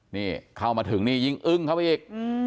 นี่เข้ามาถึงนี่ยิ่งอึ้งเข้าไปอีก